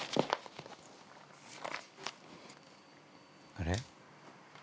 あれ？